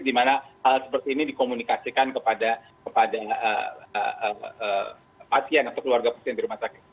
di mana hal seperti ini dikomunikasikan kepada pasien atau keluarga pasien di rumah sakit